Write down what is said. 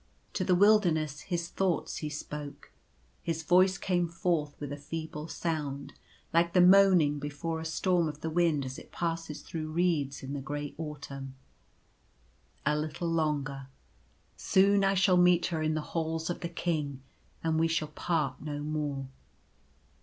To the wilderness his thoughts he spoke. His voice came forth with a feeble sound, like the moaning before a storm of the wind as it passes through reeds in the grey autumn: " A little longer. Soon I shall meet her in the Halls 1 5 6 T/ie ghostly Castle. of the King; and we shall part no more.